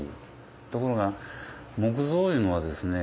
ところが木造いうのはですね